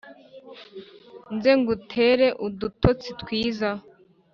nze ngutere udutotsi twiza ;